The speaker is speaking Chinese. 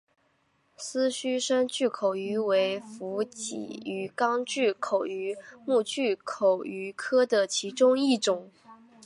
丝须深巨口鱼为辐鳍鱼纲巨口鱼目巨口鱼科的其中一种。